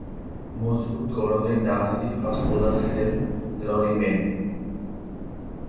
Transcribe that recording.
মজবুত গড়নের ডানহাতি ফাস্ট বোলার ছিলেন লরি মেন।